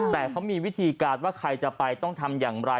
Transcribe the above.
แต่เขามีวิธีการว่าใครจะไปต้องทำอย่างไร